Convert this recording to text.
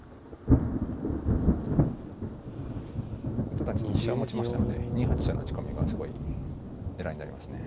糸谷さんは飛車を持ちましたので２八飛車の打ち込みがすごい狙いになりますね。